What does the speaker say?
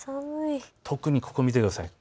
特にここを見てください。